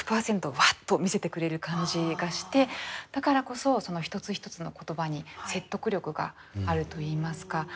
ワッと見せてくれる感じがしてだからこそその一つ一つの言葉に説得力があるといいますか。